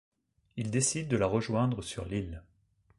Il décide de la rejoindre sur l'île.